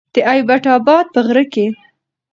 د ايبټ اباد په غره کې